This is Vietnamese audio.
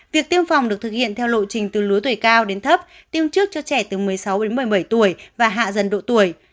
việc tiêm phòng được thực hiện theo lộ trình từ lứa tuổi cao đến thấp tiêm trước cho trẻ từ một mươi sáu đến một mươi bảy tuổi và hạ dần độ tuổi